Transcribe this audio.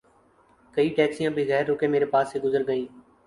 کئی ٹیکسیاں بغیر رکے میر پاس سے گزر گئیں